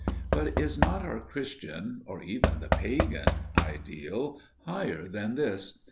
But is not our Christian, or even the Pagan, ideal higher than this?